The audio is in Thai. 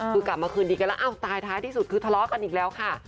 คือกลับมาคืนดีกันแล้วอ้าวตายท้ายที่สุดคือทะเลาะกันอีกแล้วค่ะ